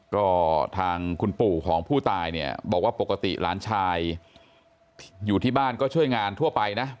ก็ทางคุณปู่ของผู้ตายเนี่ยบอกว่าปกติหลานชายอยู่ที่บ้านก็ช่วยงานทั่วไปนะ